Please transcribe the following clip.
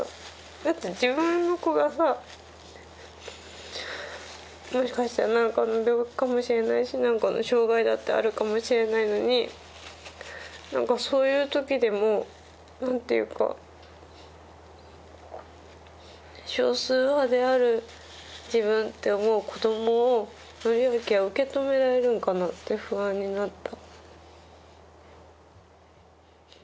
だって自分の子がさもしかしたら何かの病気かもしれないし何かの障害だってあるかもしれないのにそういう時でも何ていうか少数派である自分って思う子どもを敬明は受け止められるのかなって不安になった。